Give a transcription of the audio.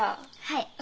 はい。